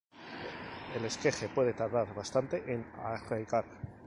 El esqueje puede tardar bastante en arraigar.